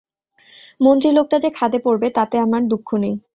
মন্ত্রী লোকটা যে খাদে পড়বে তাতে আমার দুঃখ নেই।